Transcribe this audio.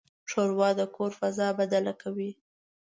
ښوروا د کور فضا بدله کوي.